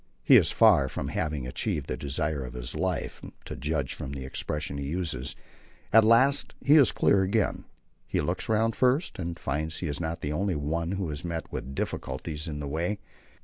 He is far from having achieved the desire of his life to judge from the expressions he uses. At last he is clear again. He looks round first and finds he is not the only one who has met with difficulties in the way.